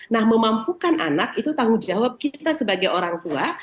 nah memampukan anak itu tanggung jawab kita sebagai orang tua